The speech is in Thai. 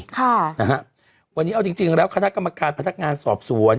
ค่ะนะฮะวันนี้เอาจริงจริงแล้วคณะกรรมการพนักงานสอบสวน